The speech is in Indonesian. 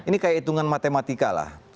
ini kayak hitungan matematika lah